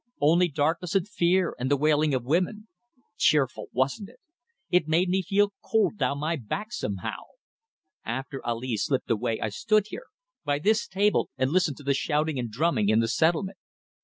Only darkness and fear and the wailing of women.' Cheerful, wasn't it? It made me feel cold down my back somehow. After Ali slipped away I stood here by this table, and listened to the shouting and drumming in the settlement.